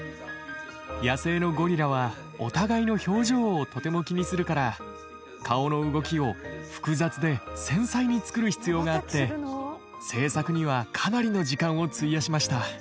野生のゴリラはお互いの表情をとても気にするから顔の動きを複雑で繊細に作る必要があって製作にはかなりの時間を費やしました。